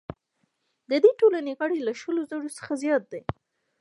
د دې ټولنې غړي له شلو زرو څخه زیات دي.